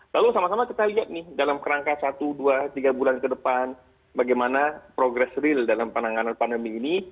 lalu sama sama kita lihat nih dalam kerangka satu dua tiga bulan ke depan bagaimana progress real dalam penanganan pandemi ini